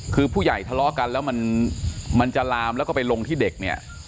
คือผู้ใหญ่ทะเลาะกันแล้วมันจะลามแล้วก็ไปลงที่เด็กเนี่ย